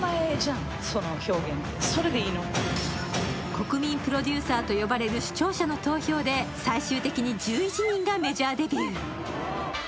国民プロデューサーと呼ばれる視聴者の投票で最終的に１１人がメジャーデビュー。